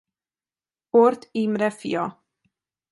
Orth Imre fia.